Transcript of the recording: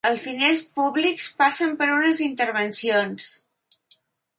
Els diners públics passen per unes intervencions.